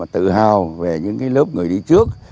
tự hào về những lớp người đi trước